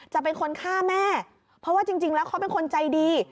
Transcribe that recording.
จะเป็นคนฆ่าแม่เพราะว่าจริงแล้วเขาเป็นคนใจดี